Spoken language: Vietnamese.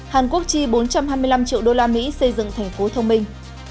hàn quốc chi bốn trăm hai mươi năm triệu usd xây dựng thành phố thông minh